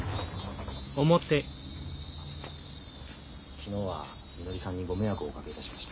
昨日はみのりさんにご迷惑をおかけいたしました。